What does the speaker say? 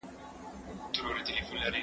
ځينې نور بيا سياسي قدرت د دې علم مرکز بولي.